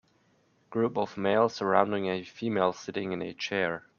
Group of males surrounding a female sitting in a chair.